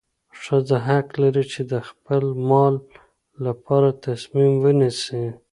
ښځه حق لري چې د خپل مال لپاره تصمیم ونیسي.